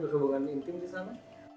ada hubungan intim di sana